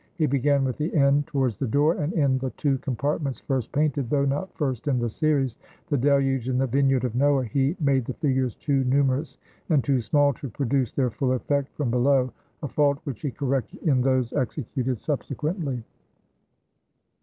He began with the end towards the door; and in the two compartments first painted (though not first in the series), the Deluge, and the Vineyard of Noah, he made the figures too numerous and too small to produce their full effect from below, a fault which he corrected in those executed subsequently.